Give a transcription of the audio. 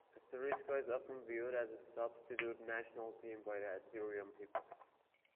Assyriska is often viewed as a substitute national team by the Assyrian people.